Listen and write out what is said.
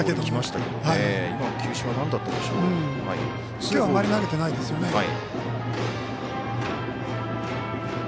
きょうはあまり投げてないですよね。